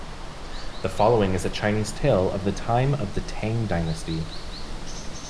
The following is a Chinese tale of the time of the Tang dynasty.